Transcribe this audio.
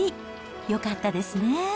よかったですね。